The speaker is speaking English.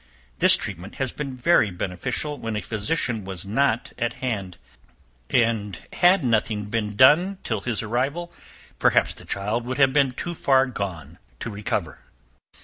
This treatment has been very beneficial when a physician was not at hand; and nothing had been done till his arrival, perhaps the child would have been too far gone to recover.